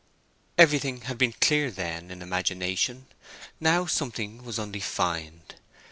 Everything had been clear then, in imagination; now something was undefined.